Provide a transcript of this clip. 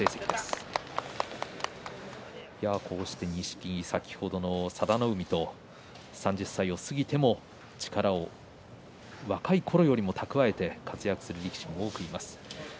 錦木、佐田の海と３０歳を過ぎても力を若いころよりも蓄えて活躍する力士もいます。